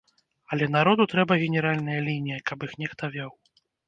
Але народу трэба генеральная лінія, каб іх нехта вёў.